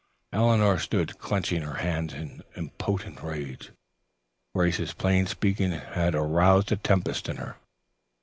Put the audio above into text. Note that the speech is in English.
Eleanor stood clenching her hands in impotent rage. Grace's plain speaking had roused a tempest in her.